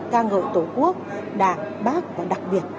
ca ngợi tổ quốc đảng bác và đặc biệt